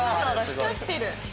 光ってる。